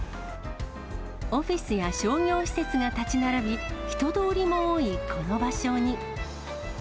オフィスや商業施設が建ち並び、人通りも多いこの場所に。